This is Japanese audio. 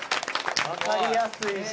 わかりやすいし。